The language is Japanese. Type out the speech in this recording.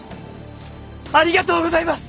ありがとうございます！